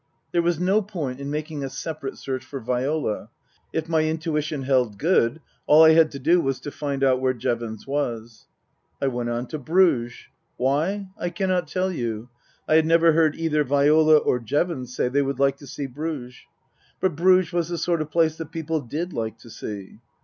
There was no point in making a separate search for Viola ; if my intuition held good, all I had to do was to find out where Jevons was. I went on to Bruges. Why, I cannot tell you. I had never heard either Viola or Jevons say they would like to see Bruges. But Bruges was the sort of place that people did like to see.